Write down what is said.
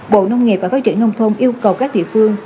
bộ nông nghiệp và phát triển nông thôn yêu cầu các địa phương